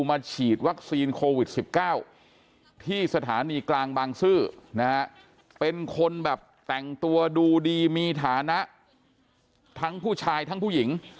มาฉีดวัคซีนโควิด๑๙ที่สถานีกลางบางซื่อนะฮะเป็นคนแบบแต่งตัวดูดีมีฐานะทั้งผู้ชายทั้งผู้หญิง